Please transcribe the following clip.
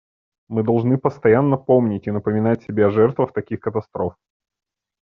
Мы должны постоянно помнить и напоминать себе о жертвах таких катастроф.